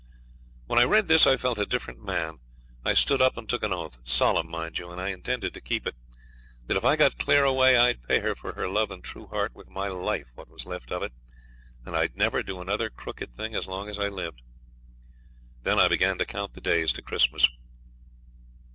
When I read this I felt a different man. I stood up and took an oath solemn, mind you, and I intended to keep it that if I got clear away I'd pay her for her love and true heart with my life, what was left of it, and I'd never do another crooked thing as long as I lived. Then I began to count the days to Christmas.